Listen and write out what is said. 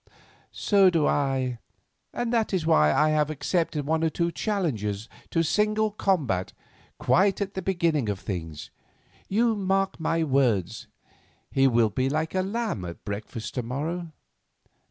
"So do I, and that is why I have accepted one or two challenges to single combat quite at the beginning of things. You mark my words, he will be like a lamb at breakfast to morrow."